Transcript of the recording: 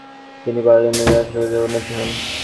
তিনি বার্লিনে রাষ্ট্রদূত পদেও উন্নীত হন।